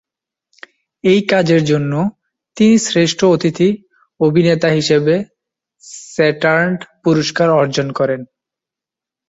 এই কাজের জন্য তিনি শ্রেষ্ঠ অতিথি অভিনেতা বিভাগে স্যাটার্ন পুরস্কার অর্জন করেন।